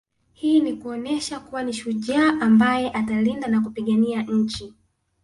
Hii ni kuonesha kuwa ni shujaa ambaye atalinda na kupigania nchi